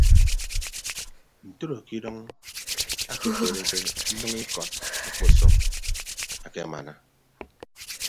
Ntoro ke idʌñ akekereke nnʌñ ikọd akpasọm akemana.